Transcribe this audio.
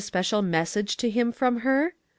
special message to him from her ?